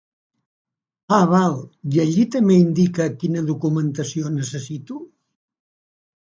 Ah val, i allí també indica quina documentació necessito?